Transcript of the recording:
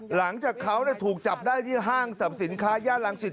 หลังจากเขาถูกจับได้ที่ห้างสรรพสินค้าย่านรังสิต